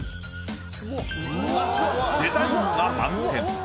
デザインが満点。